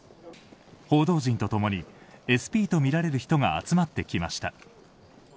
報道陣と共にＳＰとみられる人が集まってきました。